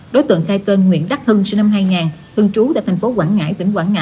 đối tượng khai tên nguyễn đắc hưng sinh năm hai nghìn hưng trú tại thành phố quảng ngãi tỉnh quảng ngãi